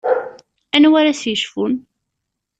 Anwa ara s-yecfun?